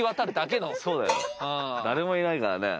誰もいないからね。